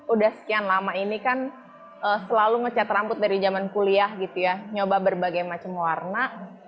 udah sekian lama ini kan selalu ngecat rambut dari zaman kuliah gitu ya nyoba berbagai macam warna